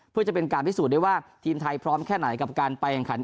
เพื่อจะเป็นการพิสูจน์ได้ว่าทีมไทยพร้อมแค่ไหนกับการไปแข่งขัน